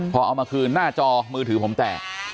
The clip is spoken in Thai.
พอเอามาคืนหน้าจอมือถือผมแตก